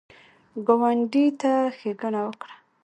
ګاونډي ته ښېګڼه وکړه